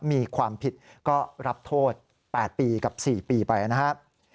มีความผิดก็รับโทษ๘ปีกับ๔ปีไปนะครับ